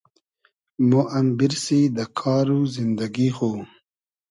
مۉ ام بیرسی دۂ کار و زیندئگی خو